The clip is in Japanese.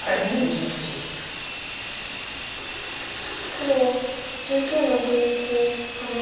黒１９の十一ハネ。